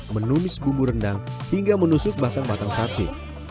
menumis bumbu rendang hingga menusuk batang batang sate